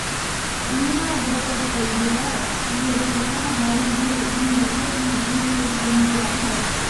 உண்ணா விரதத்தை விட இயற்கையான மருந்து இந்த உலகில் இல்லையென்கிறார்கள்.